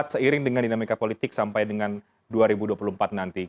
seiring dengan dinamika politik sampai dengan dua ribu dua puluh empat nanti